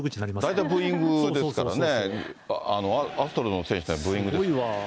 大体ブーイングですからね、アストロズの選手からブーイングですから。